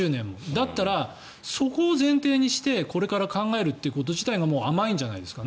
だったら、そこを前提にしてこれから考えるということ自体がもう甘いんじゃないですかね。